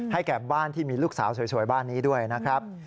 แก่บ้านที่มีลูกสาวสวยบ้านนี้ด้วยนะครับ